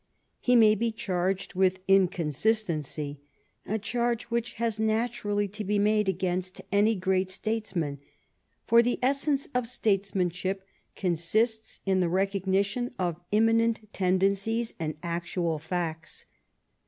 He may be charged with inconsistency — a charge which has naturally to be made against any great statesman, for the essence of statesmanship con sists In the recognition of imminent tendencies and actual facts.